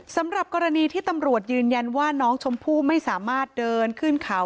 สำหรับกรณีที่ตำรวจยืนยันว่าน้องชมพู่ไม่สามารถเดินขึ้นเขา